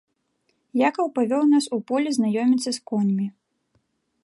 Якаў павёў нас у поле знаёміцца з коньмі.